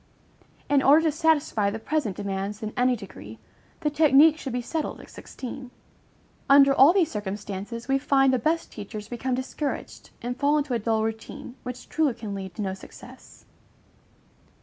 In order to satisfy the present demands in any degree, the technique should be settled at sixteen. Under all these circumstances, we find the best teachers become discouraged, and fall into a dull routine, which truly can lead to no success.